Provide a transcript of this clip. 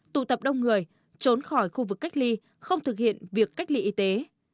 tụ tập đông người trốn khỏi khu vực cách ly không thực hiện việc cách ly y tế